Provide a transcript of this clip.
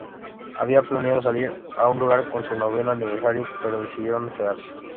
Habían planeado salir a un lugar por su noveno aniversario, pero decidieron quedarse.